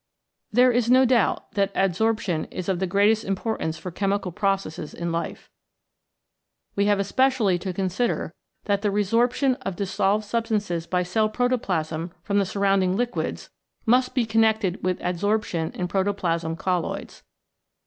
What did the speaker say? There is no doubt that adsorption is of the greatest im portance for chemical processes in life. We have especially to consider that the resorption of dis solved substances by cell protoplasm from the surrounding liquids must be connected with ad E 49 CHEMICAL PHENOMENA IN LIFE sorption in protoplasm colloids.